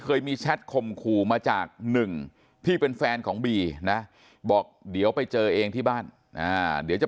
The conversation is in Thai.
เคยมีแชทคมขู่มาจากหนึ่งที่เป็นแฟนของบีนะบอกเดี๋ยวไปเจอเองที่บ้านเดี๋ยวจะ